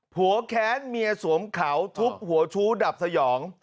แค้นเมียสวมเขาทุบหัวชู้ดับสยอง